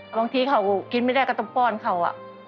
บางทีเขากินไม่ได้ก็ต้องป้อนเขา